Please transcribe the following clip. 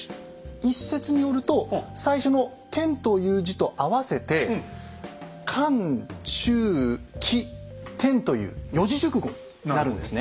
一説によると最初の「天」という字と合わせて「管中窺天」という四字熟語なるんですね。